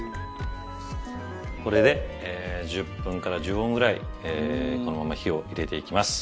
これで１０分から１５分ぐらいこのまま火を入れていきます。